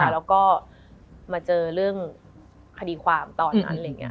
แล้วก็มาเจอเรื่องคดีความตอนนั้น